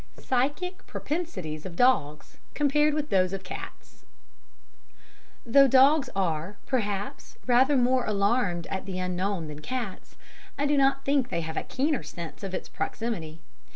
Psychic Propensities of Dogs compared with those of Cats Though dogs are, perhaps, rather more alarmed at the Unknown than cats, I do not think they have a keener sense of its proximity.